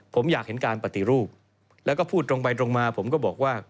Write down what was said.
ผมอยากเห็นการปฏิรูปแล้วก็พูดตรงไปตรงมาผมก็บอกว่า